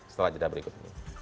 setelah jeda berikut